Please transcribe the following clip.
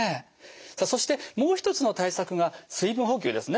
さあそしてもう一つの対策が水分補給ですね。